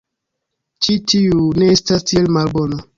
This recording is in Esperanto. Ĉi tiu... ne estas tiel malbona.